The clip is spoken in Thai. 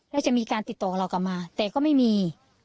แล้วจะมีการติดต่อเรากลับมาแต่ก็ไม่มี